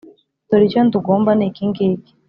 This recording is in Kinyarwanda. Dore icyo ndugomba ni ikingiki